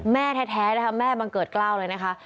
แม่แท้นะคะแม่บังเกิดกล้าวเลยนะคะ